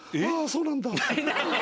「そうなんだ」？